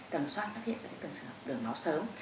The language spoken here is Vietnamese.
tầm soát phát hiện tầm soát đường máu sớm